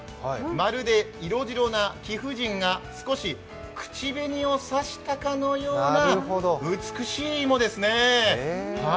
まるで色白な貴婦人が少し口紅を差したかのような、美しい芋ですね。